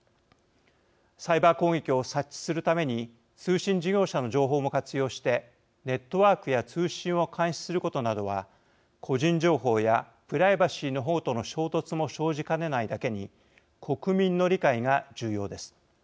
サイバー攻撃を察知するために通信事業者の情報も活用してネットワークや通信を監視することなどは個人情報やプライバシーの保護との衝突も生じかねないだけに国民の理解が重要です。